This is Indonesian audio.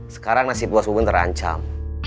sekarang nasib bos bubun terancam